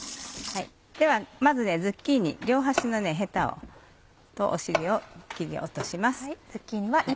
ではまずズッキーニ両端のヘタとお尻を切り落とします。